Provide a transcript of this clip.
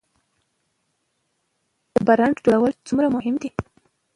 د برنډ جوړول څومره مهم دي؟